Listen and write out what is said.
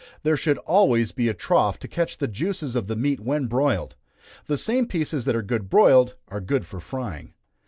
There should always be a trough to catch the juices of the meat when broiled. The same pieces that are good broiled are good for frying.